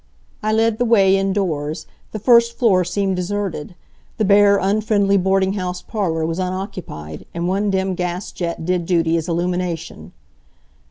I led the way indoors. The first floor seemed deserted. The bare, unfriendly boarding house parlor was unoccupied, and one dim gas jet did duty as illumination.